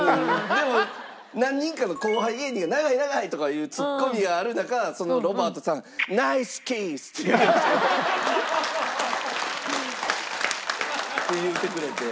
でも何人かの後輩芸人が「長い！長い！」とかいうツッコミがある中そのロバートさん。って言うてくれて。